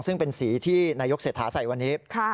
ซึ่งเป็นสีที่นายกเศรษฐาใส่วันนี้